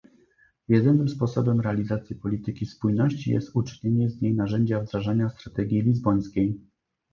Jedynym sposobem realizacji polityki spójności jest uczynienie z niej narzędzia wdrażania strategii lizbońskiej